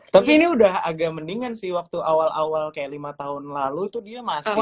tapi ini udah agak mendingan sih waktu awal awal kayak lima tahun lalu tuh dia masih